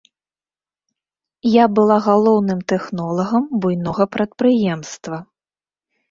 Я была галоўным тэхнолагам буйнога прадпрыемства.